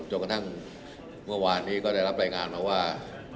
จนกระทั่งเมื่อวานนี้ก็ได้รับรายงานมาว่า